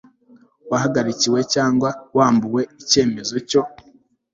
wahagarikiwe cyangwa wambuwe icyemezo cyo